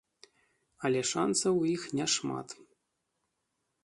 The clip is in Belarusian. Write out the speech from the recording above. Але шанцаў у іх няшмат.